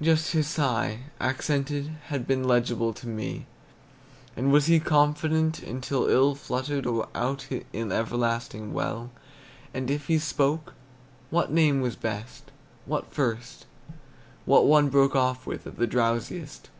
Just his sigh, accented, Had been legible to me. And was he confident until Ill fluttered out in everlasting well? And if he spoke, what name was best, What first, What one broke off with At the drowsiest?